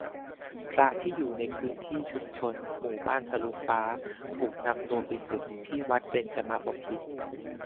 พระที่อยู่ในพื้นที่ชุมนุม หมู่บ้านทะลุฟ้า ถูกนำตัวไปสึก ที่วัดเบญจมบพิตร